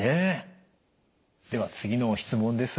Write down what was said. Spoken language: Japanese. では次の質問です。